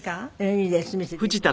いいです見せて頂いて。